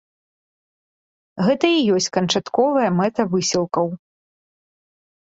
Гэта і ёсць канчатковая мэта высілкаў.